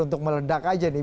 untuk meledak aja nih